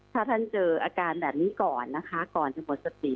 ถ้าท่านเจออาการแบบนี้ก่อนนะคะก่อนจะหมดสติ